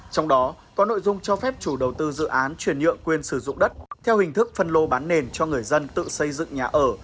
trong đó có nội dung cho phép chủ đầu tư dự án chuyển nhựa quyền sử dụng đất theo hình thức phân lô bán nền cho người dân tự xây dựng nhà ở